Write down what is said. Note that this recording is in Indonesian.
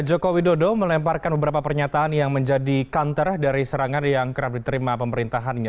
joko widodo melemparkan beberapa pernyataan yang menjadi kantor dari serangan yang kerap diterima pemerintahannya